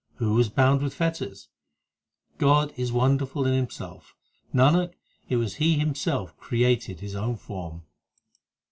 Who was bound with fetters ? God is wonderful in Himself ; Nanak, it was He Himself created His own form.